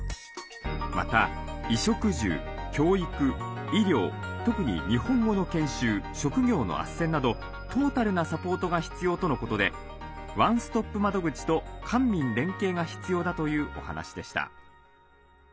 また医食住教育医療特に日本語の研修職業のあっせんなどトータルなサポートが必要とのことでワンストップ窓口と官民連携が必要だというお話でした。